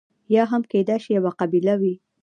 یا هم کېدای شي یوه قبیله وي.